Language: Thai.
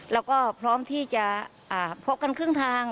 แล้วก็พร้อมที่จะพบกันครึ่งทาง